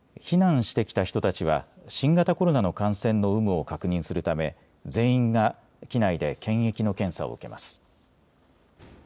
避難してきた人たちは新型コロナの感染の有無を確認するため全員が機内で検疫の検査を受けます。